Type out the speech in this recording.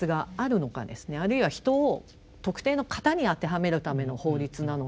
あるいは人を特定の型に当てはめるための法律なのかと。